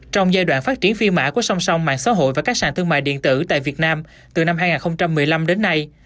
trong giai đoạn phát triển phi mã của song song mạng xã hội và các sàn thương mại điện tử tại việt nam từ năm hai nghìn một mươi năm đến nay